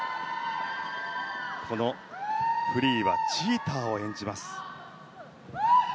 このフリーはチーターを演じます。